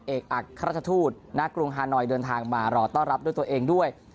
เอกอักราชทูตณกรุงฮานอยเดินทางมารอต้อนรับด้วยตัวเองด้วย